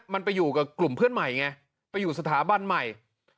มันไปอยู่กับกลุ่มเพื่อนใหม่ไงไปอยู่สถาบันใหม่